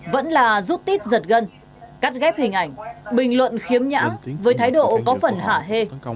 vẫn là rút tít giật gân cắt ghép hình ảnh bình luận khiếm nhã với thái độ có phần hạ hê